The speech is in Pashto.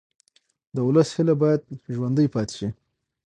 د ولس هیله باید ژوندۍ پاتې شي